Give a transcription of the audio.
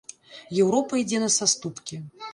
Еўропа ідзе на саступкі.